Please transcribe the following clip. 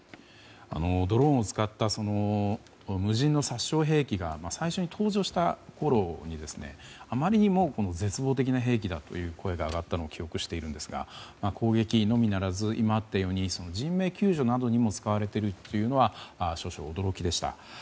ドローンを使った無人の殺傷兵器が最初に登場したころにあまりにも絶望的な平気だという声が上がったのを記憶しているんですが攻撃のみならず今あったように人命救助などにも使われているというのは少々、驚きでした。